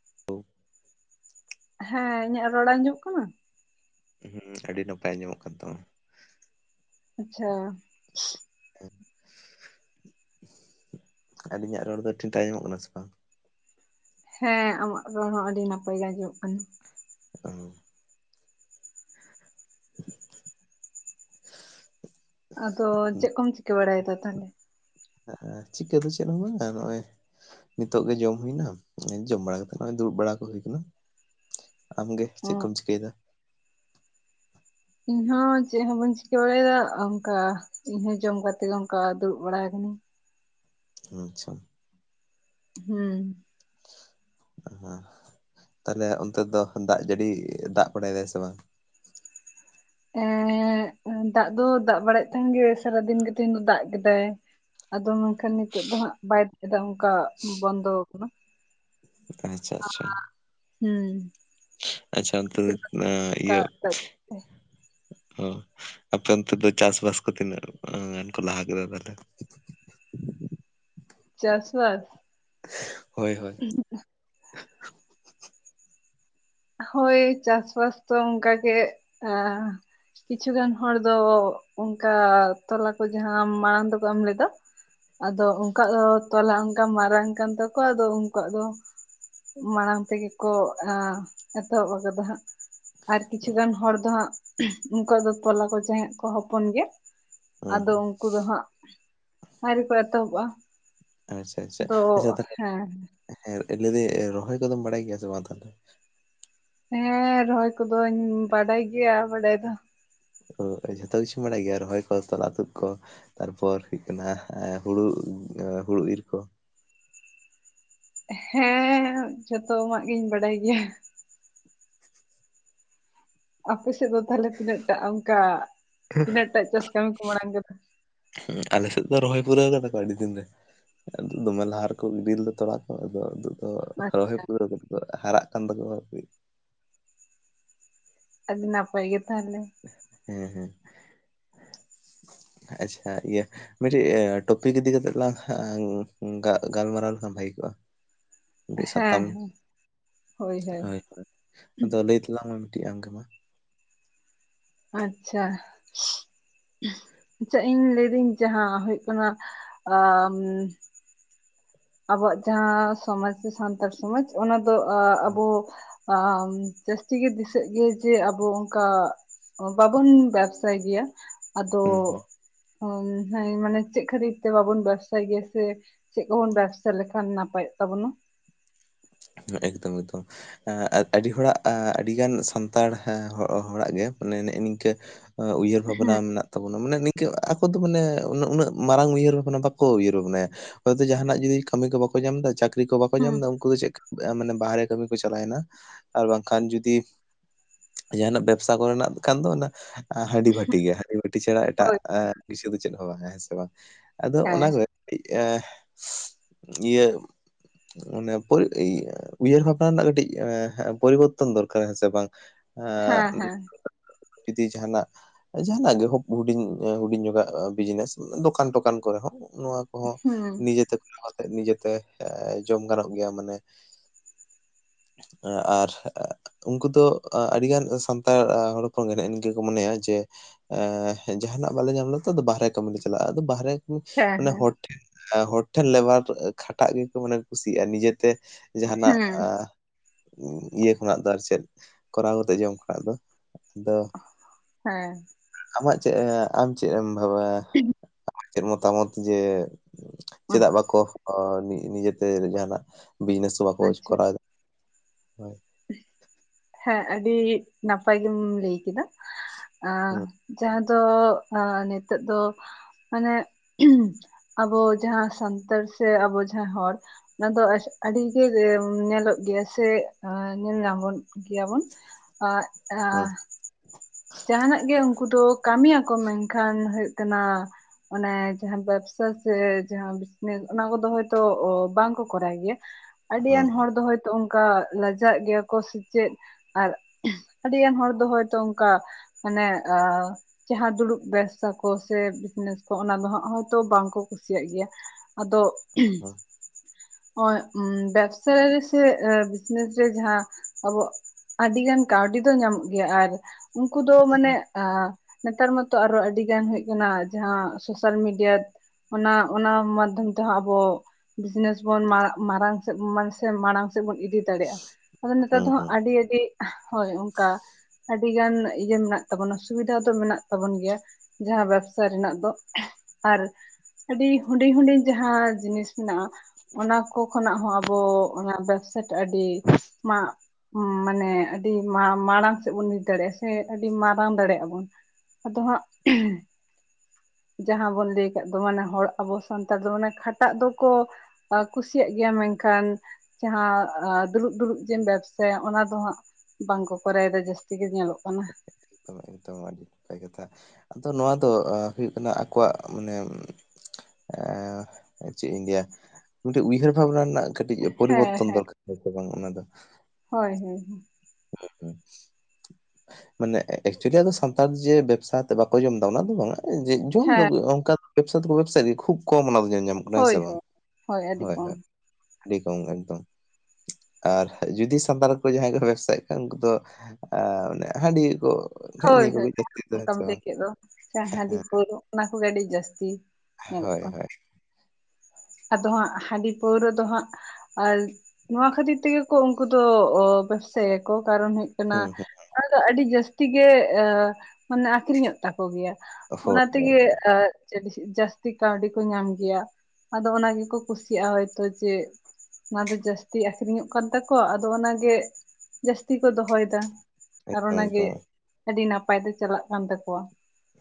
[inaudible] ᱦᱮᱸ, ᱤᱧᱟᱹᱜ ᱨᱚᱲ ᱟᱸᱡᱚᱢᱚᱜ ᱠᱟᱱᱟ? ᱦᱩᱸ, ᱟᱹᱰᱤ ᱱᱟᱯᱟᱭ ᱟᱸᱡᱚᱢᱚᱜ ᱠᱟᱱ ᱛᱟᱢᱟ᱾ ᱟᱪᱪᱦᱟ᱾ [inaudible] ᱟᱹᱞᱤᱧᱟᱜ ᱨᱚᱲ ᱫᱚ ᱴᱷᱤᱠ ᱴᱷᱟᱠ ᱟᱸᱡᱚᱢᱚᱜ ᱠᱟᱱᱟ ᱥᱮ ᱵᱟᱝ? ᱦᱮᱸ, ᱟᱢᱟᱜ ᱨᱚᱲ ᱦᱚᱸ ᱟᱹᱰᱤ ᱱᱟᱯᱟᱭ ᱜᱮ ᱟᱸᱡᱚᱢᱚᱜ ᱠᱟᱱᱟ ᱾ ᱚ ᱾ [inaudible] ᱟᱫᱚ ᱪᱮᱫ ᱠᱚᱢ ᱪᱤᱠᱟᱹ ᱵᱟᱲᱟᱭᱮᱫᱟ ᱛᱟᱦᱟᱞᱮ? ᱮᱸ ᱪᱤᱠᱟᱹ ᱫᱚ ᱪᱮᱫ ᱦᱚᱸ ᱵᱟᱝᱼᱟ, ᱱᱚᱜᱼᱚᱭ ᱱᱤᱛᱚᱜ ᱜᱮ ᱡᱚᱢ ᱦᱩᱭᱱᱟ, ᱡᱚᱢ ᱵᱟᱲᱟ ᱠᱟᱛᱮᱜ ᱱᱚᱜᱼᱚᱭ ᱫᱩᱲᱩᱵ ᱵᱟᱲᱟ ᱠᱚ ᱦᱩᱭ ᱠᱟᱱᱟ ᱾ ᱟᱢᱜᱮ, ᱪᱮᱫ ᱠᱚᱢ ᱪᱤᱠᱟᱹᱭᱮᱫᱟ? ᱤᱧ ᱦᱚᱸ ᱪᱮᱫ ᱦᱚᱸ ᱵᱟᱹᱧ ᱪᱤᱠᱟᱹ ᱵᱟᱲᱟᱭᱮᱫᱟ ᱚᱱᱠᱟ ᱤᱧ ᱦᱚᱸ ᱡᱚᱢ ᱠᱟᱛᱮ ᱜᱮ ᱚᱱᱠᱟ ᱫᱩᱲᱩᱵ ᱵᱟᱲᱟ ᱠᱟᱹᱱᱟᱹᱧ ᱾ ᱟᱪᱪᱷᱟ ᱾ ᱦᱩᱸ ᱾ [unintelligible] ᱛᱟᱦᱟᱞᱮ ᱚᱱᱛᱮ ᱫᱚ ᱫᱟᱜ ᱡᱟᱹᱲᱤ ᱫᱟᱜ ᱵᱟᱲᱟᱭ ᱫᱟᱭ ᱥᱮ ᱵᱟᱝ? ᱮᱸᱻ ᱫᱟᱜ ᱫᱚ ᱫᱟᱜ ᱵᱟᱲᱟᱭ ᱛᱟᱦᱮᱱ ᱜᱮ, ᱥᱟᱨᱟ ᱫᱤᱱ ᱜᱮ ᱛᱮᱦᱮᱧ ᱫᱚ ᱫᱟᱜ ᱠᱮᱫᱟᱭ ᱾ ᱟᱫᱚ ᱢᱮᱱᱠᱷᱟᱱ ᱱᱤᱛᱚᱜ ᱫᱚ ᱦᱟᱸᱜ ᱵᱟᱭ ᱫᱟᱜ ᱮᱫᱟ ᱚᱱᱠᱟ, ᱵᱚᱱᱫᱚ ᱟᱠᱟᱱᱟ ᱾ ᱟᱪᱪᱷᱟ ᱟᱪᱪᱷᱟ ᱾ ᱦᱩᱸ ᱾ ᱟᱪᱪᱷᱟ ᱚᱱᱛᱮ ᱫᱚ ᱟᱸ ᱤᱭᱟᱹ ᱮ [unintelligible] ᱚ, ᱟᱯᱮ ᱚᱱᱛᱮ ᱫᱚ ᱪᱟᱥᱵᱟᱥ ᱠᱚ ᱛᱤᱱᱟᱹᱜ ᱜᱟᱱ ᱠᱚ ᱞᱟᱦᱟ ᱠᱮᱫᱟ ᱛᱟᱦᱞᱮ? [inaudible] ᱪᱟᱥ ᱵᱟᱥ? ᱦᱳᱭ ᱦᱳᱭ [inaudible] ᱦᱳᱭ, ᱪᱟᱥᱵᱟᱥ ᱛᱚ ᱚᱱᱠᱟ ᱜᱮ ᱮᱸ ᱠᱤᱪᱷᱩ ᱜᱟᱱ ᱦᱚᱲ ᱫᱚ, ᱚᱱᱠᱟ ᱛᱚᱞᱟ ᱠᱚ ᱡᱟᱦᱟᱸ ᱢᱟᱲᱟᱝ ᱛᱮᱠᱚ ᱮᱢ ᱞᱮᱫᱟ ᱟᱫᱚ ᱩᱱᱠᱩᱣᱟᱜ ᱫᱚ ᱛᱚᱞᱟ ᱚᱱᱠᱟ ᱢᱟᱨᱟᱝ ᱠᱟᱱ ᱛᱟᱠᱚᱣᱟ ᱾ ᱟᱫᱚ ᱩᱱᱠᱩᱣᱟᱜ ᱫᱚ ᱢᱟᱲᱟᱝ ᱛᱮᱜᱮ ᱠᱚ ᱟᱸ ᱮᱛᱚᱦᱚᱵ ᱟᱠᱟᱫᱟ ᱦᱟᱸᱜ ᱾ ᱟᱨ ᱠᱤᱪᱷᱩ ᱜᱟᱱ ᱦᱚᱲ ᱫᱚ ᱦᱟᱸᱜ ᱩᱱᱠᱩᱣᱟᱜ ᱫᱚ ᱛᱚᱞᱟ ᱠᱚ ᱡᱟᱦᱟᱸᱭᱟᱜ ᱠᱚ ᱦᱚᱯᱚᱱ ᱜᱮᱭᱟ, ᱦᱩᱸ ᱟᱫᱚ ᱩᱱᱠᱩ ᱫᱚ ᱦᱟᱸᱜ ᱟᱣᱨᱤ ᱠᱚ ᱮᱛᱚᱦᱚᱵᱼᱟ, ᱟᱪᱪᱷᱟ ᱟᱪᱪᱷᱟ ᱟᱫᱚ ᱟᱪᱪᱷᱟ ᱛᱟᱦᱞᱮ ᱦᱮᱸ ᱾ ᱦᱮᱸ, ᱞᱟᱹᱭᱮᱫᱟᱹᱧ ᱨᱚᱦᱚᱭ ᱠᱚᱫᱚᱢ ᱵᱟᱲᱟᱭ ᱜᱮᱭᱟ ᱥᱮ ᱵᱟᱝ ᱛᱟᱦᱚᱞᱮ? ᱦᱮᱸ, ᱨᱚᱦᱚᱭ ᱠᱚᱫᱚᱧ ᱵᱟᱰᱟᱭ ᱜᱮᱭᱟ ᱵᱟᱰᱟᱭ ᱫᱚ ᱾ ᱚ ᱡᱷᱚᱛᱚ ᱠᱤᱪᱷᱩᱢ ᱵᱟᱲᱟᱭ ᱜᱮᱭᱟ ᱨᱚᱦᱚᱭ ᱠᱚ, ᱛᱚᱞᱟ ᱛᱩᱫ ᱠᱚ? ᱛᱟᱨᱯᱚᱨ ᱦᱩᱭᱩᱜ ᱠᱟᱱᱟ ᱦᱩᱲᱩ ᱦᱩᱲᱩ ᱤᱨ ᱠᱚ? ᱦᱮᱸ ᱡᱚᱛᱚᱣᱟᱜ ᱜᱤᱧ ᱵᱟᱰᱟᱭ ᱜᱮᱭᱟ ᱾ ᱟᱯᱮᱥᱮᱫ ᱫᱚ ᱛᱟᱦᱚᱞᱮ ᱛᱤᱱᱟᱹᱜ ᱴᱟᱜ ᱚᱱᱠᱟ ᱛᱤᱱᱟᱹᱜ ᱴᱟᱜ ᱪᱟᱥ ᱠᱟᱹᱢᱤ ᱠᱚ ᱢᱟᱲᱟᱝ ᱠᱟᱫᱟ? ᱦᱮᱸ ᱟᱞᱮ ᱥᱮᱫ ᱫᱚ ᱨᱚᱦᱚᱭ ᱯᱩᱨᱟᱹᱣ ᱠᱟᱫᱚ ᱠᱚ ᱟᱹᱰᱤ ᱫᱤᱱ ᱨᱮ ᱾ ᱟᱫᱚ ᱫᱚᱢᱮ ᱞᱟᱦᱟ ᱨᱮᱠᱚ ᱜᱤᱰᱤ ᱞᱮᱫᱮ ᱛᱚᱲᱟ ᱠᱚ ᱟᱫᱚ [unintelligible] ᱛᱚ ᱨᱚᱦᱚᱭ ᱯᱩᱣᱟᱹᱣ [unintelligible] ᱠᱚ ᱦᱟᱨᱟᱜ ᱠᱟᱱ ᱛᱟᱠᱚᱣᱟ ᱾ ᱟᱹᱰᱤ ᱱᱟᱯᱟᱭ ᱜᱮ ᱛᱟᱦᱚᱞᱮ ᱾ ᱦᱮᱸ ᱦᱮᱸ, ᱟᱪᱪᱷᱟ ᱤᱭᱟᱹ ᱢᱤᱫᱴᱤᱡ ᱴᱚᱯᱤᱠ ᱤᱫᱤ ᱠᱟᱛᱮᱜ ᱞᱟᱝ ᱜᱟ ᱜᱟᱞᱢᱟᱨᱟᱣ ᱞᱮᱠᱷᱟᱱ ᱵᱷᱟᱜᱮ ᱠᱚᱜᱼᱟ ᱾ ᱢᱤᱫᱴᱤᱡ ᱦᱮᱸ ᱥᱟᱛᱟᱢ ᱦᱮᱸ ᱦᱳᱭ ᱦᱳᱭ ᱟᱫᱚ ᱞᱟᱹᱭ ᱛᱟᱞᱟᱝ ᱢᱮ ᱢᱤᱫᱴᱤᱡ ᱟᱢ ᱜᱮ ᱢᱟ ᱾ ᱟᱪᱪᱷᱟ ᱾ ᱟᱪᱪᱷᱟ ᱤᱧ ᱞᱟᱹᱭᱫᱟᱹᱧ ᱡᱟᱦᱟᱸ ᱦᱳᱭᱳᱜ ᱠᱟᱱᱟ ᱟᱸᱻᱢ ᱟᱵᱚᱣᱟᱜ ᱡᱟᱦᱟᱸ ᱥᱚᱢᱟᱡᱽ ᱥᱮ ᱥᱟᱱᱛᱟᱲ ᱥᱚᱢᱟᱡᱽ ᱚᱱᱟ ᱫᱚ ᱟᱸ ᱦᱩᱸ ᱟᱵᱚ ᱟᱸ ᱡᱟᱹᱥᱛᱤ ᱜᱮ ᱫᱤᱥᱟᱹᱜ ᱜᱮᱭᱟ ᱡᱮ ᱟᱵᱚ ᱚᱱᱠᱟ ᱵᱟᱵᱚᱱ ᱵᱮᱵᱥᱟᱭ ᱜᱮᱭᱟ ᱟᱫᱚ ᱦᱩᱸ ᱦᱳᱭ ᱦᱮᱸ ᱢᱟᱱᱮ ᱪᱮᱫ ᱠᱷᱟᱹᱛᱤᱨ ᱛᱮ ᱵᱟᱵᱚᱱ ᱵᱮᱵᱥᱟᱭ ᱜᱮᱭᱟ ᱥᱮ ᱪᱮᱜ ᱠᱚᱵᱚᱱ ᱵᱮ ᱥᱟ ᱞᱮᱠᱷᱟᱱ ᱱᱟᱯᱟᱭᱚᱜ ᱛᱟᱵᱚᱱᱟ? ᱮᱠᱫᱚᱢ ᱮᱠᱫᱚᱢ᱾ ᱟ-ᱟᱹᱰᱤ ᱦᱚᱲᱟᱜ ᱟ-ᱟᱹᱰᱤᱜᱟᱱ ᱥᱟᱱᱛᱟᱲ ᱦᱚ-ᱦᱚᱲᱟᱜ ᱜᱮ ᱢᱟᱱᱮ ᱱᱮᱜ-ᱮ ᱱᱤᱝᱠᱟᱹ ᱩᱭᱦᱟᱹᱨ ᱵᱷᱟᱵᱽᱱᱟ ᱦᱮᱸ ᱢᱮᱱᱟᱜ ᱛᱟᱵᱚᱱᱟ ᱢᱟᱱᱮ ᱱᱤᱝᱠᱟᱹ ᱟᱠᱚ ᱫᱚ ᱢᱟᱱᱮ ᱩᱱᱟᱹᱜ ᱢᱟᱨᱟᱝ ᱩᱭᱦᱟᱹᱨ ᱵᱷᱟᱵᱽᱱᱟ ᱵᱟᱠᱚ ᱩᱭᱦᱟᱹᱨ ᱵᱷᱟᱵᱽᱱᱟᱭᱟ? ᱦᱚᱭᱛᱚ ᱡᱟᱦᱟᱸᱱᱟᱜ ᱡᱩᱫᱤ ᱠᱟᱹᱢᱤ ᱠᱚ ᱵᱟᱠᱚ ᱧᱟᱢ ᱮᱫᱟ ᱪᱟᱹᱠᱨᱤ ᱠᱚ ᱵᱟᱠᱚ ᱦᱮᱸ ᱧᱟᱢ ᱮᱫᱟ ᱩᱱᱠᱩ ᱫᱚ ᱪᱮᱫ ᱠᱟ ᱮᱸ ᱢᱟᱱᱮ ᱵᱟᱦᱨᱮ ᱠᱟᱹᱢᱤ ᱠᱚ ᱪᱟᱞᱟᱣᱮᱱᱟ ᱟᱨ ᱵᱟᱝᱠᱷᱟᱱ ᱡᱩᱫᱤ ᱡᱟᱦᱟᱸᱱᱟᱜ ᱵᱮᱵᱽᱥᱟ ᱠᱚᱨᱮᱱᱟᱜ ᱠᱷᱟᱱ ᱫᱚ ᱚᱱᱟ ᱦᱟᱺᱰᱤ ᱵᱷᱟᱹᱴᱤ ᱜᱮ ᱦᱟᱺᱰᱤ ᱵᱟᱹᱴᱤ ᱪᱷᱟᱲᱟ ᱮᱴᱟᱜ ᱦᱳᱭ ᱠᱤᱪᱷᱩ ᱫᱚ ᱪᱮᱫ ᱦᱚᱸ ᱵᱟᱝ ᱦᱮᱸ ᱥᱮ ᱵᱟᱝ? ᱟᱫᱚ ᱦᱮᱸ ᱚᱱᱟ [unintelligible] ᱤᱭᱟᱹ ᱢᱟᱱᱮ [unintelligible] ᱤᱭᱟᱹ ᱩᱭᱦᱟᱹᱨ ᱵᱷᱟᱵᱽᱱᱟ ᱨᱮᱱᱟᱜ ᱠᱟᱹᱴᱤᱡ ᱯᱚᱨᱤᱵᱚᱨᱛᱚᱱ ᱫᱚᱨᱠᱟᱨ ᱦᱮᱸ ᱥᱮ ᱵᱟᱝ? ᱦᱮᱸ ᱡᱩᱫᱤ ᱡᱟᱦᱟᱸᱱᱟᱜ ᱡᱟᱦᱟᱸᱱᱟᱜ ᱜᱮ ᱦᱩᱰᱤᱧ ᱦᱩᱰᱤᱧ ᱧᱚᱜᱟᱜ ᱵᱤᱡᱽᱱᱮᱥ ᱫᱚᱠᱟᱱ ᱴᱠᱟᱱ ᱠᱚᱨᱮ ᱦᱚᱸ ᱱᱚᱣᱟ ᱠᱚᱦᱚᱸ ᱦᱩᱸ ᱱᱤᱡᱮᱛᱮ ᱠᱚᱨᱟᱣ ᱠᱟᱛᱮ ᱱᱤᱡᱮᱛᱮ ᱡᱚᱢ ᱜᱟᱱᱚᱜ ᱜᱮᱭᱟ ᱢᱟᱱᱮ ᱟᱨ [unintelligible] ᱩᱱᱠᱩ ᱫᱚ ᱟᱹᱰᱤᱜᱟᱱ ᱥᱟᱱᱛᱟᱲ ᱦᱚᱲ ᱠᱚ [unintelligible] ᱱᱤᱝᱠᱟᱹ ᱠᱚ ᱢᱚᱱᱮᱭᱟ ᱡᱮ ᱮᱸ ᱡᱟᱦᱟᱸᱱᱟᱜ ᱵᱟᱞᱮ ᱧᱟᱢ ᱞᱮᱫ ᱛᱮ ᱟᱫᱚ ᱵᱟᱦᱨᱮ ᱠᱟᱹᱢᱤ ᱞᱮ ᱪᱟᱞᱟᱜ-ᱟ ᱟᱫᱚ ᱵᱟᱦᱨᱮ ᱦᱮᱸ ᱢᱟᱱᱮ ᱦᱮᱸ ᱦᱚᱲ ᱴᱷᱮᱱ ᱦᱚᱲ ᱴᱷᱮᱱ ᱞᱮᱵᱟᱨ ᱠᱷᱟᱴᱟᱜ ᱜᱮᱠᱚ ᱢᱟᱱᱮ ᱠᱩᱥᱤᱭᱟᱜ-ᱟ ᱱᱤᱡᱮᱛᱮ ᱡᱟᱦᱟᱸᱱᱟᱜ ᱦᱩᱸ ᱟ ᱤᱭᱟᱹ ᱠᱷᱚᱱᱟᱜ ᱫᱚ ᱟᱨ ᱪᱮᱫ ᱠᱚᱨᱟᱣ ᱠᱟᱛᱮᱫ ᱡᱚᱢ ᱠᱷᱚᱱᱟᱜ ᱫᱚ ᱟᱫᱚ ᱦᱮᱸ᱾ ᱟᱢᱟᱜ ᱪᱮᱫ ᱟᱢ ᱪᱮᱫ ᱮᱢ ᱵᱷᱟᱵᱟᱣᱟ ᱟᱢᱟᱜ ᱪᱮᱫ ᱢᱚᱛᱟᱢᱚᱛ ᱡᱮ ᱪᱮᱫᱟᱜ ᱟᱪᱪᱷᱟ ᱵᱟᱠᱚ ᱚ ᱱᱤᱡᱮᱛᱮ ᱡᱟᱦᱟᱱᱟᱜ ᱵᱤᱡᱽᱱᱮᱥ ᱦᱚᱸ ᱵᱟᱠᱚ ᱟᱪᱪᱷᱟ ᱠᱚᱨᱟᱣᱟ ᱫᱟ? ᱦᱳᱭ᱾ ᱦᱮᱸ ᱟᱹᱰᱤ ᱱᱟᱯᱟᱭ ᱜᱮᱢ ᱞᱟᱹᱭ ᱠᱮᱫᱟ ᱟᱸ ᱦᱩᱸ ᱡᱟᱦᱟᱸ ᱫᱚ ᱛᱚ ᱱᱤᱛᱳ ᱫᱚ ᱢᱟᱱᱮ ᱟᱵᱚ ᱡᱟᱦᱟᱸ ᱥᱟᱱᱛᱟᱲ ᱥᱮ ᱟᱵᱚ ᱡᱟᱦᱟᱸᱭ ᱦᱚᱲ ᱚᱱᱟ ᱫᱚ ᱟᱹᱰᱤ ᱤᱠᱟᱹᱜᱮ ᱧᱮᱞᱚᱜ ᱜᱮᱭᱟ ᱥᱮ ᱧᱮᱞ ᱧᱟᱢ ᱟᱵᱚᱱ᱾ ᱜᱮᱭᱟᱵᱚᱱ ᱦᱩᱸ [unintelligible] ᱡᱟᱦᱟᱱᱟᱜ ᱜᱮ ᱩᱱᱠᱩ ᱫᱚ ᱠᱟᱹᱢᱤᱭᱟᱠᱚ ᱢᱮᱱᱠᱷᱟᱱ ᱦᱩᱭᱩᱜ ᱠᱟᱱᱟ ᱚᱱᱮ ᱡᱟᱦᱟᱸ ᱵᱮᱵᱥᱟ ᱥᱮ ᱡᱟᱦᱟᱸ ᱵᱤᱡᱱᱮᱥ ᱚᱱᱟ ᱠᱚᱫᱚ ᱦᱚᱭᱛᱚ ᱵᱟᱝᱠᱚ ᱠᱚᱨᱟᱣ ᱜᱮᱭᱟ? ᱟᱹᱰᱤ ᱦᱩᱸ ᱜᱟᱱ ᱦᱚᱲ ᱫᱚ ᱦᱚᱭᱛᱚ ᱚᱱᱠᱟ ᱞᱟᱡᱟᱜ ᱜᱮᱭᱟ ᱠᱚ ᱥᱮᱪᱮᱫ ᱟᱨ ᱟᱹᱰᱤ ᱜᱟᱱ ᱦᱚᱲ ᱫᱚ ᱦᱚᱭᱛᱚ ᱠᱟ ᱢᱟᱱᱮ ᱟ ᱡᱟᱦᱟᱸ ᱫᱩᱲᱩᱵ ᱵᱮᱵᱥᱟ ᱠᱚ ᱥᱮ ᱵᱤᱡᱽᱱᱮᱥ ᱠᱚ ᱚᱱᱟ ᱫᱚ ᱦᱟᱸᱜ ᱦᱚᱭᱛᱚ ᱵᱟᱝᱠᱚ ᱠᱩᱥᱤᱭᱟᱜ ᱜᱮᱭᱟ᱾ ᱟᱫᱚ ᱦᱩᱸ ᱚᱭ ᱵᱮᱵᱥᱟ ᱨᱮ ᱥᱮ ᱵᱤᱡᱽᱱᱮᱥ ᱨᱮ ᱡᱟᱦᱟᱸ ᱟᱵᱚᱣᱟᱜ ᱟᱹᱰᱤᱜᱟᱱ ᱠᱟᱹᱣᱰᱤ ᱫᱚ ᱧᱟᱢᱚᱜ ᱜᱮᱭᱟ ᱟᱨ ᱩᱱᱠᱩ ᱫᱚ ᱢᱟᱱᱮ ᱟ ᱱᱮᱛᱟᱨ ᱢᱟᱛᱚ ᱟᱨᱚ ᱟᱹᱰᱤ ᱜᱟᱱ ᱦᱮᱡᱽ ᱟᱠᱟᱱᱟ ᱡᱟᱦᱟᱸ ᱥᱳᱥᱟᱞ ᱢᱤᱰᱤᱭᱟ ᱚᱱᱟ ᱚᱱᱟ ᱢᱟᱫᱽᱫᱷᱚᱢ ᱛᱮᱦᱚᱸ ᱟᱵᱚ ᱵᱤᱡᱽᱱᱤᱥ ᱵᱚᱱ ᱢᱟᱲᱟ-ᱢᱟᱲᱟᱝ ᱥᱮᱫ ᱢᱚ [unintelligible] ᱢᱟᱲᱟᱝ ᱥᱮᱫ ᱵᱚᱱ ᱤᱫᱤ ᱫᱟᱲᱮᱜ-ᱟ ᱟᱫᱚ ᱦᱩᱸ ᱱᱮᱛᱟᱨ ᱦᱩᱸ ᱫᱚ ᱦᱩᱸ ᱦᱟᱸᱜ ᱦᱩᱸ ᱟᱹᱰᱤ ᱟᱹᱰᱤ ᱦᱳᱭ ᱚᱱᱠᱟ ᱟᱹᱰᱤ ᱜᱟᱱ ᱤᱭᱟᱹ ᱢᱮᱱᱟᱜ ᱛᱟᱵᱚᱱᱟ ᱥᱩᱵᱤᱫᱷᱟ ᱫᱚ ᱢᱮᱱᱟᱜ ᱛᱟᱵᱚᱱ ᱜᱮᱭᱟ᱾ ᱡᱟᱦᱟᱸ ᱵᱮᱵᱽᱥᱟ ᱨᱮᱱᱟᱜ ᱫᱚ ᱟᱨ ᱟᱹᱰᱤ ᱦᱩᱰᱤᱧ ᱦᱩᱰᱤᱧ ᱡᱟᱦᱟᱸ ᱡᱤᱱᱤᱥ ᱢᱮᱱᱟᱜᱼᱟ᱾ ᱚᱱᱟ ᱠᱚ ᱠᱷᱚᱱᱟᱜ ᱦᱚᱸ ᱟᱵᱚ ᱚᱱᱟ ᱵᱮᱵᱥᱟ ᱟᱹᱰᱤ ᱢᱟ ᱢᱟᱱᱮ ᱟᱹᱰᱤ ᱢᱟᱲᱟᱝ ᱥᱮᱫ ᱵᱚᱱ ᱤᱫᱤ ᱫᱟᱲᱮᱭᱟᱜᱼᱟ᱾ ᱦᱮᱸ ᱟᱹᱰᱤ ᱢᱟᱨᱟᱝ ᱫᱟᱲᱮᱭᱟᱜᱼᱟ ᱵᱚᱱ ᱟᱫᱚ ᱦᱟᱸᱜ ᱡᱟᱦᱟᱸ ᱵᱚᱱ ᱞᱟᱹᱭ ᱠᱟᱫ ᱫᱚ ᱢᱟᱱᱮ ᱦᱚᱲ ᱟᱵᱚ ᱥᱟᱱᱛᱟᱲ ᱫᱚ ᱢᱟᱱᱮ ᱠᱷᱟᱴᱟᱜ ᱫᱚ ᱠᱚ ᱠᱩᱥᱤᱭᱟᱜ ᱜᱮᱭᱟ ᱢᱮᱱᱠᱷᱟᱱ ᱡᱟᱦᱟᱸ ᱫᱩᱲᱩᱵ ᱫᱩᱲᱩᱵ ᱡᱮᱢ ᱵᱮᱵᱥᱟᱭᱟ ᱚᱱᱟ ᱫᱚ ᱦᱟᱸᱜ ᱵᱟᱝᱠᱚ ᱠᱚᱨᱟᱣᱮᱫᱟ ᱡᱟᱹᱥᱛᱤ ᱜᱮ ᱧᱮᱞᱚᱜ ᱠᱟᱱᱟ᱾ ᱱᱤᱛ ᱟᱹᱰᱤ ᱱᱟᱯᱟᱭ ᱠᱟᱛᱷᱟ ᱟᱫᱚ ᱱᱚᱣᱟ ᱫᱚ ᱦᱳᱭᱳᱜ ᱠᱟᱱᱟ ᱟᱠᱚᱣᱟᱜ ᱢᱟᱱᱮ ᱮᱸ ᱪᱮᱫ ᱤᱧ ᱞᱟᱹᱭᱟ ᱢᱤᱫᱴᱮᱱ ᱩᱭᱦᱟᱹᱨ ᱵᱷᱟᱵᱱᱟ ᱨᱮᱱᱟᱜ ᱠᱟᱹᱴᱤᱡ ᱦᱮᱸ ᱯᱚᱨᱤᱵᱚᱨᱛᱚᱱ ᱦᱮᱸ ᱫᱚᱨᱠᱟᱨ ᱥᱮ ᱚᱱᱟ ᱫᱚ᱾ ᱦᱳᱭ ᱦᱳᱭ ᱦᱳᱭ᱾ ᱦᱩᱸ ᱦᱩᱸ᱾ ᱢᱟᱱᱮ ᱮᱠᱪᱩᱭᱮᱞᱤ ᱟᱵᱚ ᱥᱟᱱᱛᱟᱲ ᱡᱮ ᱵᱮᱵᱽᱥᱟᱛᱮ ᱵᱟᱠᱚ ᱡᱚᱢ ᱮᱫᱟ ᱚᱱᱟ ᱫᱚ ᱵᱟᱝ᱾ ᱡᱮ ᱡᱚᱢ ᱫᱚ ᱚᱱᱠᱟ ᱵᱮᱵᱽᱥᱟ ᱫᱚᱠᱚ ᱵᱮᱵᱽᱥᱟᱮᱫ ᱜᱮ ᱠᱷᱩᱵ ᱠᱚᱢ ᱚᱱᱟ ᱫᱚ ᱧᱮᱞ ᱧᱟᱢᱚᱜ ᱵᱟᱰᱟᱭ ᱦᱳᱭ ᱥᱮ ᱵᱟᱝ ᱦᱳᱭ ᱟᱹᱰᱤ ᱦᱳᱭ ᱠᱚᱢ ᱦᱳᱭ ᱟᱹᱰᱤ ᱠᱚᱢ ᱮᱠᱫᱚᱢ᱾ ᱟᱨ ᱡᱩᱫᱤ ᱥᱟᱱᱛᱟᱲ ᱠᱚ ᱡᱟᱦᱟᱸᱭ ᱠᱚ ᱵᱮᱵᱥᱟᱭᱮᱜ ᱠᱷᱟᱱ ᱩᱱᱠᱩ ᱫᱚ ᱦᱟᱺᱰᱤ ᱠᱚ᱾ ᱱᱮᱜ ᱦᱳᱭ ᱱᱤᱭᱟᱹ ᱦᱳᱭ ᱠᱚᱜᱮ ᱡᱟᱹᱥᱛᱤ ᱫᱚ ᱦᱮᱸ ᱚᱱᱠᱟᱢ ᱥᱮ ᱞᱟᱹᱭ ᱵᱟᱝ ᱠᱮᱫ ᱫᱚ ᱦᱟᱺᱰᱤ ᱦᱮᱸ ᱯᱳᱣᱨᱟᱹ ᱚᱱᱟ ᱠᱚ ᱜᱮ ᱟᱹᱰᱤ ᱡᱟᱹᱥᱛᱤ ᱧᱮᱞᱚᱜ ᱦᱳᱭ ᱠᱟᱱᱟ᱾ ᱦᱳᱭ ᱟᱫᱚ ᱦᱟᱸᱜ ᱦᱟᱺᱰᱤ ᱯᱟᱹᱣᱨᱟᱹ ᱫᱚ ᱦᱟᱸᱜ ᱟᱨ ᱱᱚᱣᱟ ᱠᱷᱟᱹᱛᱤᱨ ᱛᱮᱜᱮ ᱠᱚ ᱩᱱᱠᱩ ᱫᱚ ᱵᱮᱵᱥᱟᱭᱮᱜᱼᱟ ᱠᱚ ᱠᱟᱨᱚᱱ ᱦᱳᱭᱳᱜ ᱚᱱᱟ ᱦᱩᱸ ᱦᱩᱸ ᱟᱫᱚ ᱟᱹᱰᱤ ᱡᱟᱹᱥᱛᱤ ᱜᱮ ᱢᱟᱱᱮ ᱟᱹᱠᱷᱨᱤᱧᱚᱜ ᱛᱟᱠᱚ ᱜᱮᱭᱟ ᱚᱱᱟ ᱦᱳᱭ ᱦᱳᱭ ᱛᱮᱜᱮ ᱟᱸ ᱡᱟᱹᱥᱛᱤ ᱠᱟᱹᱣᱰᱤ ᱠᱚ ᱧᱟᱢ ᱜᱮᱭᱟ ᱟᱫᱚ ᱚᱱᱟ ᱜᱮᱠᱚ ᱠᱩᱥᱤᱭᱟᱜᱼᱟ ᱦᱚᱭᱛᱳ ᱡᱮ ᱚᱱᱟ ᱫᱚ ᱡᱟᱹᱥᱛᱤ ᱟᱹᱠᱷᱨᱤᱧᱚᱜ ᱠᱟᱱ ᱛᱟᱠᱚ ᱟᱫᱚ ᱚᱱᱟᱜᱮ ᱡᱟᱹᱥᱛᱤ ᱠᱚ ᱫᱚᱦᱚᱭ ᱫᱟ᱾ ᱟᱨ ᱮᱠᱫᱚᱢ ᱚᱱᱟ ᱜᱮ ᱮᱠᱫᱚᱢ ᱟᱹᱰᱤ ᱱᱟᱯᱟᱭ ᱛᱮ ᱪᱟᱞᱟᱜ ᱠᱟᱱ ᱛᱟᱠᱚᱣᱟ᱾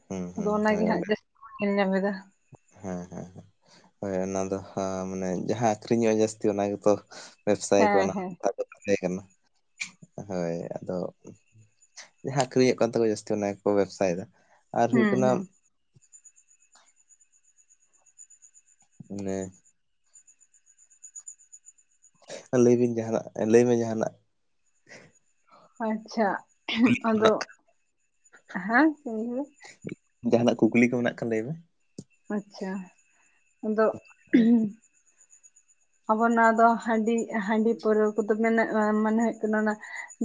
ᱦᱩᱸ ᱟᱫᱚ ᱦᱩᱸ ᱚᱱᱟ ᱦᱳᱭ ᱜᱮ ᱦᱟᱸᱜ ᱚᱸᱰᱮ ᱡᱟᱹᱥᱛᱤ ᱧᱮᱞ ᱧᱟᱢᱫᱟ᱾ ᱦᱮᱸ ᱦᱮᱸ ᱦᱳᱭ ᱚᱱᱟ ᱫᱚ ᱢᱟᱱᱮ ᱡᱟᱦᱟᱸ ᱟᱹᱠᱷᱨᱤᱧᱚᱜᱼᱟ ᱡᱟᱹᱥᱛᱤ ᱚᱱᱟ ᱜᱮᱛᱚ ᱵᱮᱵᱽᱥᱟᱭ ᱠᱚ ᱦᱮᱸ ᱚᱱᱟ, ᱦᱮᱸ ᱟᱫᱚ ᱛᱟᱦᱮᱸ ᱠᱟᱱᱟ ᱦᱟᱹᱭ ᱟᱫᱚ ᱡᱟᱦᱟᱸ ᱟᱹᱠᱷᱨᱤᱧᱚᱜ ᱠᱟᱱ ᱛᱟᱠᱚᱣᱟ ᱡᱟᱹᱥᱛᱤ ᱚᱱᱟ ᱜᱮᱠᱚ ᱵᱮᱵᱥᱟᱭᱮᱫᱟ ᱟᱨ ᱦᱩᱭᱩᱜ ᱦᱩᱸ ᱠᱟᱱᱟ ᱦᱩᱸ ᱚᱱᱮ ᱞᱟᱹᱭ ᱵᱤᱱ ᱡᱟᱦᱟᱱᱟᱜ, ᱞᱟᱹᱭ ᱵᱤᱱ ᱡᱟᱦᱟᱱᱟᱜ᱾ ᱟᱪᱪᱷᱟ ᱠᱩᱠᱞᱤ ᱠᱚ ᱟᱫᱚ, ᱢᱮᱱᱟᱜ ᱠᱷᱟᱱ ᱦᱮᱸ ᱪᱮᱢ ᱞᱮᱠᱮᱫᱟ? ᱡᱟᱦᱟᱱᱟᱜ ᱠᱩᱠᱞᱤ ᱠᱚ ᱢᱮᱱᱟᱜ ᱠᱷᱟᱱ ᱞᱟᱹᱭ ᱢᱮ᱾ ᱟᱪᱪᱷᱟ ᱟᱫᱚ [unintelligible] ᱟᱵᱚ ᱱᱚᱣᱟ ᱫᱚ ᱦᱟᱺᱰᱤ ᱦᱟᱺᱰᱤ ᱯᱟᱹᱣᱨᱟᱹ ᱠᱚᱫᱚ ᱢᱮᱱᱟᱜ-ᱟ ᱢᱟᱱᱮ ᱦᱩᱭᱩᱜ ᱠᱟᱱᱟ ᱚᱱᱟ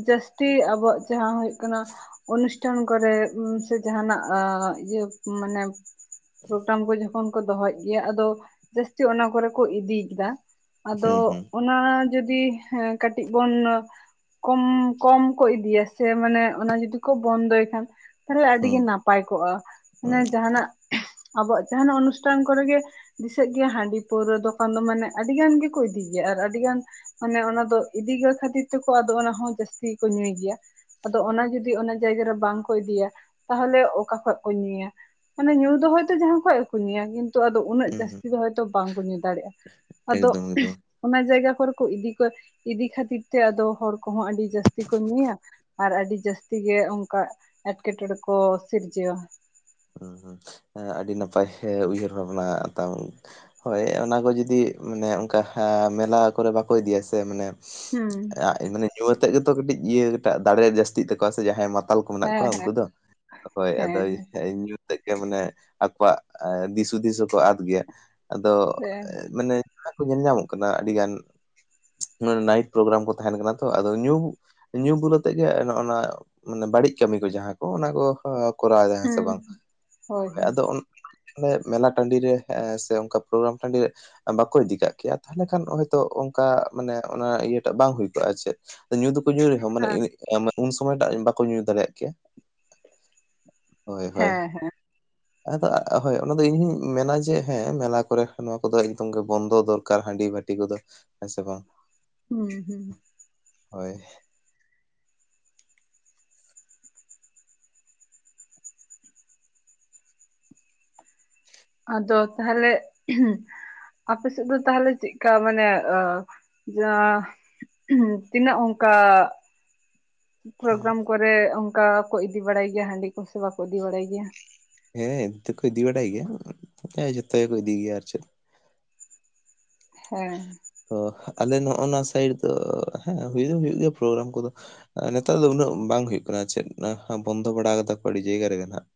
ᱡᱟᱹᱥᱛᱤ ᱟᱵᱚᱣᱟᱜ ᱡᱟᱦᱟᱸ ᱦᱳᱭᱳᱜ ᱠᱟᱱᱟ ᱚᱱᱩᱥᱴᱷᱟᱱ ᱠᱚᱨᱮ ᱥᱮ ᱡᱟᱦᱟᱱᱟᱜ ᱤᱭᱟᱹ ᱢᱟᱱᱮ ᱯᱨᱳᱜᱨᱟᱢ ᱠᱚ ᱡᱚᱠᱷᱚᱱ ᱠᱚ ᱫᱚᱦᱚᱭᱮᱜ ᱜᱮᱭᱟ ᱟᱫᱚ ᱡᱟᱹᱥᱛᱤ ᱚᱱᱟ ᱠᱚᱨᱮ ᱠᱚ ᱤᱫᱤ ᱠᱮᱫᱟ᱾ ᱟᱫᱚ ᱦᱩᱸ ᱦᱩᱸ ᱚᱱᱟ ᱡᱚᱫᱤ ᱠᱟᱹᱴᱤᱡ ᱵᱚᱱ ᱠᱚᱢ ᱠᱚᱢ ᱠᱚ ᱤᱫᱤᱭᱟ ᱥᱮ ᱢᱟᱱᱮ ᱚᱱᱟ ᱡᱩᱫᱤ ᱠᱚ ᱵᱚᱱᱫᱚᱭ ᱠᱷᱟᱱ᱾ ᱛᱟᱦᱚᱞᱮ ᱦᱩᱸ ᱟᱹᱰᱤᱜᱮ ᱱᱟᱯᱟᱭ ᱠᱚᱜᱼᱟ ᱢᱟᱱᱮ ᱡᱟᱦᱟᱱᱟᱜ ᱟᱵᱚᱣᱟᱜ ᱡᱟᱦᱟᱱᱟᱜ ᱚᱱᱩᱥᱴᱷᱟᱱ ᱠᱚᱨᱮ ᱜᱮ ᱫᱤᱥᱟᱹᱜ ᱜᱮᱭᱟ ᱦᱟᱺᱰᱤ ᱯᱟᱹᱣᱨᱟᱹ ᱫᱚᱠᱟᱱ ᱫᱚ ᱢᱟᱱᱮ ᱟᱹᱰᱤ ᱜᱟᱱ ᱜᱮᱠᱚ ᱤᱫᱤᱭ ᱜᱮᱭᱟ ᱟᱨ ᱟᱹᱰᱤᱜᱟᱱ ᱢᱟᱱᱮ ᱚᱱᱟ ᱫᱚ ᱤᱫᱤᱭ ᱜᱤ ᱠᱷᱟᱹᱛᱤᱨ ᱛᱮᱠᱚ ᱟᱫᱚ ᱚᱱᱟ ᱦᱚᱸ ᱡᱟᱹᱥᱛᱤ ᱜᱮᱠᱚ ᱧᱩᱭ ᱜᱮᱭᱟ᱾ ᱟᱫᱚ ᱚᱱᱟ ᱡᱩᱫᱤ ᱚᱱᱟ ᱡᱟᱭᱜᱟ ᱨᱮ ᱵᱟᱝ ᱠᱚ ᱤᱫᱤᱭᱟ ᱛᱟᱦᱚᱞᱮ ᱚᱠᱟ ᱠᱷᱚᱡ ᱠᱚ ᱧᱩᱭᱟ? ᱢᱟᱱᱮ ᱧᱩ ᱫᱚ ᱦᱚ ᱡᱟᱦᱟᱸ ᱠᱷᱚᱡ ᱜᱮ ᱠᱚ ᱧᱩᱭᱟ ᱠᱤᱱᱛᱩ ᱟᱫᱚ ᱩᱱᱟᱹᱜ ᱦᱩᱸ ᱦᱩᱸ ᱡᱟᱹᱥᱛᱤ ᱫᱚᱭ ᱵᱟᱝᱠᱚ ᱧᱩ ᱫᱟᱲᱮᱭᱟᱜᱼᱟ ᱟᱫᱚ ᱮᱠᱫᱚᱢ ᱮᱠᱫᱚᱢ ᱚᱱᱟ ᱡᱟᱭᱜᱟ ᱠᱚᱨᱮ ᱠᱚ ᱤᱫᱤ ᱠᱚᱣᱟ ᱤᱫᱤ ᱠᱷᱟᱹᱛᱤᱨ ᱛᱮ ᱟᱫᱚ ᱦᱚᱲ ᱠᱚᱦᱚᱸ ᱟᱹᱰᱤ ᱡᱟᱹᱥᱛᱤ ᱠᱚ ᱧᱩᱭᱟ᱾ ᱟᱨ ᱟᱹᱰᱤ ᱡᱟᱹᱥᱛᱤ ᱜᱮ ᱚᱝᱠᱟ ᱮᱴᱠᱮᱴᱚᱬᱮ ᱠᱚ ᱥᱤᱨᱡᱟᱹᱣᱟ᱾ ᱦᱩᱸ ᱦᱩᱸ ᱟᱸ ᱟᱹᱰᱤ ᱱᱟᱯᱟᱭ ᱩᱭᱦᱟᱹᱨ ᱵᱷᱟᱵᱽᱱᱟ ᱛᱟᱢ᱾ ᱦᱳᱭ ᱚᱱᱟ ᱠᱚ ᱡᱩᱫᱤ ᱢᱟᱱᱮ ᱚᱱᱠᱟ ᱢᱮᱞᱟ ᱠᱚᱨᱮ ᱵᱟᱠᱚ ᱤᱫᱤᱭᱟ ᱥᱮ ᱢᱟᱱᱮ ᱦᱩᱸ ᱢᱟᱱᱮ ᱧᱩ ᱟᱛᱮᱫ ᱜᱮᱛᱚ ᱠᱟᱹᱴᱤᱡ ᱤᱭᱟᱹᱴᱟᱜ ᱫᱟᱲᱮ ᱡᱟᱹᱥᱛᱤᱜ ᱛᱟᱠᱚᱣᱟ ᱥᱮ ᱡᱟᱦᱟᱸᱭ ᱢᱟᱛ ᱛᱟᱞ ᱠᱚ ᱢᱮᱱᱟᱜ ᱦᱮᱸ ᱠᱚᱣᱟ ᱦᱮᱸ ᱩᱝᱠᱩ ᱫᱚ ᱦᱳᱭ ᱟᱫᱚᱭ ᱦᱮᱸ ᱧᱩ ᱛᱮᱫᱜᱮ ᱢᱟᱱᱮ ᱟᱠᱚᱣᱟᱜ ᱫᱤᱥ ᱦᱩᱫᱤᱥ ᱦᱚᱸ ᱠᱚ ᱟᱫ ᱜᱮᱭᱟ᱾ ᱟᱫᱚ ᱦᱮᱸ ᱢᱟᱱᱮ ᱡᱟᱦᱟᱸ ᱠᱚ ᱧᱮᱞ ᱧᱟᱢᱚᱜ ᱠᱟᱱᱟ ᱟᱹᱰᱤ ᱜᱟᱱ ᱱᱟᱭᱤᱴ ᱯᱨᱳᱜᱨᱟᱢ ᱠᱚ ᱛᱟᱦᱮᱱ ᱠᱟᱱᱟ ᱛᱚ ᱟᱫᱚ ᱧᱩ ᱧᱩ ᱵᱩᱞ ᱟᱛᱮᱜ ᱜᱮ ᱱᱚᱜᱼᱱᱟ ᱵᱟᱹᱲᱤᱡ ᱠᱟᱹᱢᱤ ᱠᱚ ᱡᱟᱦᱟᱸ ᱠᱚ ᱚᱱᱟ ᱠᱚ ᱠᱚᱨᱟᱣ ᱫᱟ ᱾ ᱥᱮ ᱦᱩᱸ ᱵᱟᱝ ᱦᱳᱭ ᱦᱳᱭ ᱟᱫᱚ ᱢᱮᱞᱟ ᱴᱟᱺᱰᱤ ᱨᱮ ᱥᱮ ᱚᱱᱠᱟ ᱯᱨᱳᱜᱨᱟᱢ ᱴᱟᱺᱰᱤ ᱨᱮ ᱵᱟᱠᱚ ᱤᱫᱤ ᱠᱟᱜ ᱠᱮᱭᱟ ᱛᱟᱦᱚᱞᱮ ᱠᱷᱟᱱ ᱦᱚᱭᱛᱳ ᱚᱱᱠᱟ ᱢᱟᱱᱮ ᱚᱱᱟ ᱤᱭᱟᱹᱴᱟᱜ ᱵᱟᱝ ᱦᱩᱭ ᱠᱚᱜᱼᱟ ᱪᱮᱫ? ᱧᱩ ᱫᱚᱠᱚ ᱧᱩᱭ ᱨᱮᱦᱚᱸ ᱢᱟᱱᱮ ᱦᱮᱸ ᱩᱱ ᱥᱚᱢᱚᱭᱴᱟᱜ ᱵᱟᱠᱚ ᱧᱩ ᱫᱟᱲᱮᱭᱟᱜ ᱠᱮᱭᱟ᱾ ᱦᱳᱭ ᱦᱳᱭ᱾ ᱦᱮᱸ ᱦᱮᱸ ᱟᱫᱚ ᱦᱳᱭ ᱚᱱᱟ ᱫᱚ ᱤᱧ ᱦᱩᱧ ᱢᱮᱱᱟ ᱡᱮ ᱦᱮᱸ ᱢᱮᱞᱟ ᱠᱚᱨᱮ ᱱᱚᱣᱟ ᱠᱚᱫᱚ ᱮᱠᱫᱚᱢ ᱜᱮ ᱵᱚᱱᱫᱚ ᱫᱚᱨᱠᱟᱨ ᱦᱟᱺᱰᱤ ᱵᱷᱟᱹ ᱴᱤ ᱠᱚᱫᱚ ᱦᱮᱸ ᱥᱮ ᱵᱟᱝ? ᱦᱩᱸ ᱦᱩᱸ᱾ ᱦᱳᱭ᱾ ᱟᱫᱚ ᱛᱟᱦᱟᱞᱮ ᱟᱯᱮᱥᱮᱫ ᱫᱚ ᱛᱟᱦᱟᱞᱮ ᱪᱮᱫᱞᱮᱠᱟ ᱢᱟᱱᱮ ᱡᱟ ᱛᱤᱱᱟᱹᱜ ᱚᱝᱠᱟ ᱯᱨᱳᱜᱨᱟᱢ ᱠᱚᱨᱮ ᱚᱱᱠᱟᱠᱚ ᱤᱫᱤ ᱵᱟᱲᱟᱭ ᱜᱮᱭᱟ ᱦᱟᱺᱰᱤ ᱠᱚ ᱥᱮ ᱵᱟᱠᱚ ᱤᱫᱤ ᱵᱟᱲᱟᱭ ᱜᱮᱭᱟ? ᱦᱮᱸ ᱤᱫᱤ ᱫᱚᱠᱚ ᱤᱫᱤ ᱵᱟᱲᱟᱭ ᱜᱮᱭᱟ ᱦᱮᱸ ᱜᱮᱠᱚ ᱜᱮᱭᱟ ᱟᱨ ᱪᱮᱫ᱾ ᱦᱮᱸ᱾ ᱦᱚ ᱟᱞᱮ ᱱᱚᱜᱼᱱᱟ ᱥᱟᱭᱤᱰ ᱫᱚ ᱦᱮᱸ ᱦᱩᱭᱩᱜ ᱫᱚ ᱦᱩᱭᱩᱜ ᱜᱮᱭᱟ ᱯᱨᱳᱜᱨᱟᱢ ᱠᱚᱫᱚ᱾ ᱱᱮᱛᱟᱨ ᱫᱚ ᱩᱱᱟᱹᱜ ᱵᱟᱝ ᱦᱩᱭᱩᱜ ᱠᱟᱱᱟ ᱪᱮᱫ ᱵᱚᱱᱫᱚ ᱵᱟᱲᱟ ᱠᱟᱫᱟ ᱠᱚ ᱟᱹᱰᱤ ᱡᱟᱭᱜᱟ ᱨᱮᱜᱮ ᱱᱟᱜ ᱾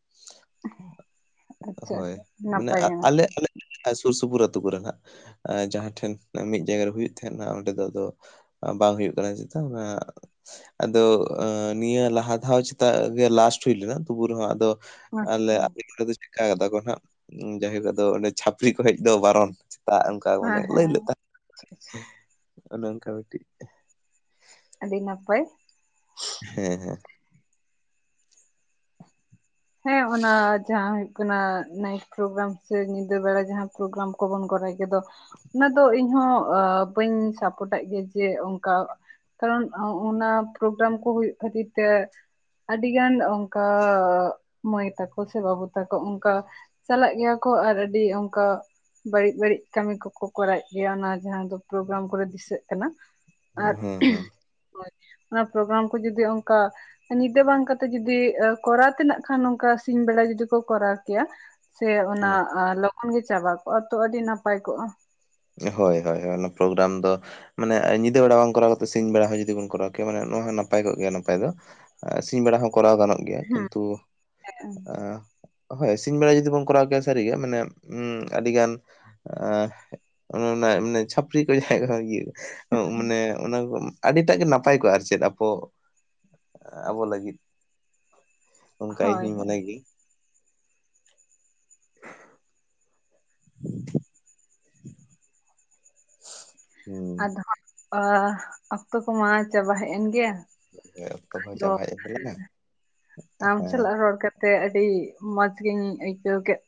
ᱟᱪᱪᱷᱟ ᱦᱳᱭ ᱟᱪᱪᱷᱟ ᱢᱟᱱᱮ ᱱᱟᱯᱟᱭ ᱜᱮ ᱱᱟᱯᱟᱭ ᱟᱞᱮ-ᱟᱞᱮᱜ ᱥᱩᱨ ᱥᱩᱯᱩᱨ ᱟᱹᱛᱩ ᱠᱚᱨᱮ ᱱᱟᱜ ᱡᱟᱦᱟᱸ ᱴᱷᱮᱱ ᱢᱤᱫ ᱡᱟᱭᱜᱟᱨᱮ ᱦᱩᱭᱩᱜ ᱛᱟᱸᱦᱮᱱᱟ ᱚᱸᱰᱮ ᱫᱚ ᱟᱫᱚ ᱵᱟᱝ ᱦᱩᱭᱩᱜ ᱠᱟᱱᱟ ᱪᱮᱛᱟᱜ ᱟᱫᱚ ᱱᱤᱭᱟᱹ ᱞᱟᱦᱟ ᱫᱷᱟᱣ ᱪᱮᱛᱟᱜ ᱜᱮ ᱞᱟᱥᱴ ᱦᱳᱭ ᱞᱮᱱᱟ ᱛᱚᱵᱩ ᱨᱮᱦᱚᱸ ᱟᱫᱚ ᱟᱞᱮ ᱟᱪᱪᱷᱟ ᱟᱞᱮ ᱫᱚ ᱪᱮᱠᱟ ᱠᱟᱫᱟ ᱠᱚᱫᱚ ᱱᱟᱜ ᱡᱟᱭᱦᱳᱠ ᱟᱫᱚ ᱚᱸᱰᱮ ᱪᱷᱟᱹᱯᱨᱤ ᱡᱮᱡ ᱫᱚ ᱵᱟᱨᱚᱱ ᱥᱮᱛᱟᱜ ᱚᱝᱠᱟ ᱢᱟᱱᱮ ᱦᱮᱸ ᱦᱮᱸ ᱞᱟᱹᱭ ᱞᱮᱜ ᱟᱪᱪᱷᱟ ᱟᱪᱪᱷᱟ [unintelligible] ᱚᱱᱮ ᱚᱝᱠᱟ ᱢᱤᱫᱴᱤᱜ ᱟᱹᱰᱤ ᱱᱟᱯᱟᱭ᱾ ᱦᱮᱸ ᱦᱮᱸ᱾ ᱦᱮᱸ ᱚᱱᱟ ᱡᱟᱦᱟᱸ ᱠᱟᱱᱟ ᱱᱟᱭᱤᱴ ᱯᱨᱳᱜᱨᱟᱢ ᱥᱮ ᱧᱤᱫᱟᱹ ᱵᱮᱲᱟ ᱡᱟᱦᱟᱸ ᱯᱨᱳᱜᱨᱟᱢ ᱠᱚᱵᱚᱱ ᱠᱚᱨᱟᱣ ᱠᱮᱫᱟ᱾ ᱚᱱᱟ ᱫᱚ ᱤᱧᱦᱚ ᱟᱹ ᱵᱟᱹᱧ ᱥᱟᱯᱳᱨᱴᱟᱜ ᱜᱮᱭᱟ ᱡᱮ ᱚᱝᱠᱟ ᱠᱟᱨᱚᱱ ᱚ-ᱚᱱᱟ ᱯᱨᱳᱜᱨᱟᱢ ᱠᱚ ᱦᱳᱭᱳᱜ ᱠᱷᱟᱹᱛᱤᱨ ᱛᱮ ᱟᱹᱰᱤ ᱜᱟᱱ ᱚᱝᱠᱟ ᱢᱟᱹᱭ ᱛᱟᱠᱚ ᱥᱮ ᱵᱟᱹᱵᱩ ᱛᱟᱠᱚ ᱚᱝᱠᱟ ᱪᱟᱞᱟᱜ ᱜᱮᱭᱟ ᱠᱚ ᱟᱨ ᱟᱹᱰᱤ ᱚᱝᱠᱟ ᱵᱟᱹᱲᱤᱡ ᱵᱟᱹᱲᱤᱡ ᱠᱟᱹᱢᱤ ᱠᱚᱨᱟᱣᱮᱜ ᱜᱮᱭᱟ ᱚᱱᱟ ᱡᱟᱦᱟᱸ ᱯᱨᱳᱜᱨᱟᱢ ᱠᱚᱨᱮ ᱫᱤᱥᱟᱹᱜ ᱠᱟᱱᱟ᱾ ᱦᱮᱸ ᱟᱨ ᱦᱮᱸ ᱦᱮᱸ ᱦᱳ᱾ ᱚᱱᱟ ᱯᱨᱳᱜᱨᱟᱢ ᱠᱚ ᱡᱩᱫᱤ ᱚᱱᱠᱟ ᱧᱤᱫᱟᱹ ᱵᱟᱝ ᱠᱟᱛᱮ ᱡᱩᱫᱤ ᱮ ᱠᱚᱨᱟᱣ ᱛᱮᱱᱟᱜ ᱠᱦᱟᱱ ᱱᱚᱝᱠᱟ ᱥᱤᱧ ᱵᱮᱲᱟ ᱡᱩᱫᱤ ᱠᱚ ᱠᱚᱨᱟᱣ ᱠᱮᱭᱟ ᱥᱮ ᱚᱱᱟ ᱦᱮᱸ ᱟ ᱞᱚᱜ ᱜᱚᱱ ᱜᱮ ᱪᱟᱵᱟ ᱠᱚᱜᱼᱟ ᱛᱚ ᱟᱹᱰᱤ ᱱᱟᱯᱟᱭ ᱠᱚᱜᱼᱟ᱾ ᱦᱳᱭ ᱦᱳᱭ ᱦᱳᱭ ᱚᱱᱟ ᱯᱨᱳᱜᱨᱟᱢ ᱫᱚ ᱢᱟᱱᱮ ᱧᱤᱫᱟᱹ ᱵᱮᱲᱟ ᱵᱟᱝ ᱠᱚᱨᱟᱣ ᱠᱟᱛᱮᱫ ᱥᱤᱧ ᱵᱮᱲᱟ ᱦᱚᱸ ᱡᱩᱫᱤ ᱵᱚᱱ ᱠᱚᱨᱟᱣ ᱠᱮᱭᱟ ᱢᱟᱱᱮ ᱱᱚᱣᱟ ᱦᱚᱸ ᱱᱟᱯᱟᱭ ᱠᱚᱜ ᱜᱮᱭᱟ ᱱᱟᱯᱟᱭ ᱫᱚ᱾ ᱮ ᱥᱤᱧ ᱵᱮᱲᱟ ᱦᱚᱸ ᱠᱚᱨᱟᱣ ᱜᱟᱱᱚᱜ ᱜᱮᱭᱟ ᱦᱮᱸ ᱠᱤᱱᱛᱩ ᱮᱸ ᱦᱳᱭ ᱥᱤᱧ ᱵᱮᱲᱟ ᱡᱩᱫᱤ ᱵᱚᱱ ᱠᱚᱨᱟᱣ ᱠᱮᱭᱟ ᱥᱟᱹᱨᱤᱜᱮ ᱢᱟᱱᱮ ᱩᱸ ᱟᱹᱰᱤ ᱜᱟᱱ ᱲᱱᱚ ᱚᱱᱟ ᱮ ᱢᱟᱱᱮ ᱪᱷᱷᱟᱯᱨᱤ ᱠᱚ ᱡᱟᱦᱟᱸᱭ ᱠᱚ ᱤᱭᱟᱹ ᱢᱟᱱᱮ ᱚᱱᱟ ᱠᱚ ᱟᱹᱰᱤᱴᱟᱜ ᱜᱮ ᱱᱟᱯᱟᱭ ᱠᱚᱜ-ᱟ ᱟᱨ ᱪᱮᱫ ᱟᱵᱚ ᱟᱵᱚ ᱞᱟᱹᱜᱤᱫ᱾ ᱚᱱᱠᱟ ᱦᱳᱭ ᱤᱧᱦᱧ ᱦᱳᱭ ᱢᱚᱱᱮ ᱜᱮ᱾ [inaudible] ᱦᱩᱸ᱾ ᱟᱫᱚ ᱟ ᱚᱠᱛᱚ ᱠᱚᱢᱟ ᱪᱟᱵᱟ ᱦᱮᱡ ᱮᱱ ᱜᱮᱭᱟ᱾ ᱚᱠᱛᱚ ᱠᱚᱦᱚᱸ ᱪᱟᱵᱟ ᱦᱮᱡ ᱮᱱ ᱛᱟᱞᱟᱝᱟ ᱟᱢ ᱦᱮᱸ ᱪᱟᱞᱟᱜ ᱨᱚᱲ ᱠᱟᱛ ᱛᱮ ᱟᱹᱰᱤ ᱢᱚᱡᱽ ᱜᱤᱧ ᱟᱹᱭᱠᱟᱹᱣ ᱠᱮᱫ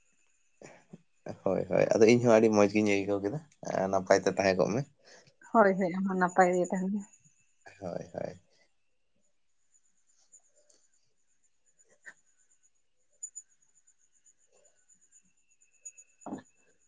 ᱦᱳᱭ ᱦᱳᱭ ᱟᱫᱚ ᱤᱧ ᱦᱚᱸ ᱟᱹᱰᱤ ᱢᱚᱡᱽ ᱜᱤᱧ ᱟᱹᱭᱠᱟᱹᱣ ᱠᱮᱫᱟ ᱱᱟᱯᱟᱭ ᱛᱮ ᱛᱟᱦᱮᱸ ᱠᱚᱜ ᱢᱮ᱾ ᱦᱳᱭ ᱦᱳᱭ ᱟᱢ ᱦᱚ ᱱᱟᱯᱟᱭ ᱜᱮ ᱛᱟᱦᱮᱱ ᱢᱮ᱾ [inaudible] [inaudible]